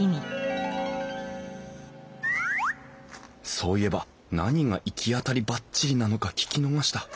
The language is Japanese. そういえば何が「いきあたりバッチリ」なのか聞き逃した。